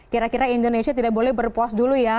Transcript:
kira kira indonesia tidak boleh berpuas dulu ya